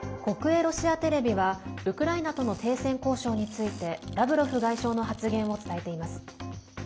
国営ロシアテレビはウクライナとの停戦交渉についてラブロフ外相の発言を伝えています。